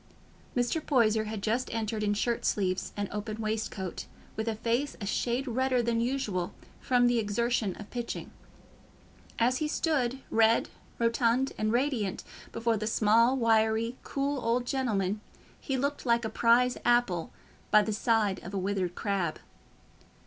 Mr. Poyser had just entered in shirt sleeves and open waistcoat, with a face a shade redder than usual, from the exertion of "pitching." As he stood, red, rotund, and radiant, before the small, wiry, cool old gentleman, he looked like a prize apple by the side of a withered crab.